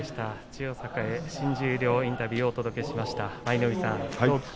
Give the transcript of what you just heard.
千代栄新十両インタビューをお届けしました。